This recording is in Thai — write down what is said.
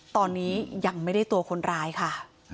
ตอนนี้ยังไม่ได้ตัวคนร้ายค่ะ